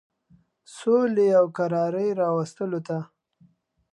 سولي او کراري راوستلو ته.